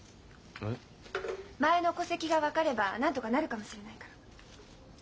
前の戸籍が分かればなんとかなるかもしれないから。